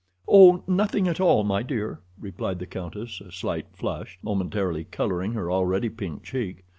"Oh, nothing at all, my dear," replied the countess, a slight flush momentarily coloring her already pink cheek.